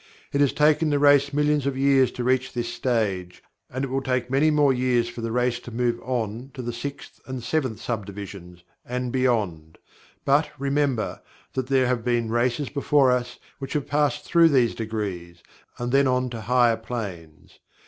It has taken the race millions of years to reach this stage, and it will take many more years for the race to move on to the sixth and seventh sub divisions, and beyond. But, remember, that there have been races before us which have passed through these degrees, and then on to higher planes.